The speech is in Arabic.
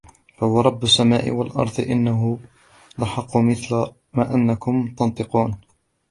فورب السماء والأرض إنه لحق مثل ما أنكم تنطقون